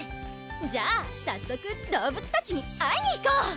じゃあ早速動物たちに会いに行こ！